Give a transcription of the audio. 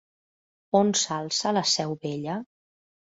On s'alça La Seu Vella?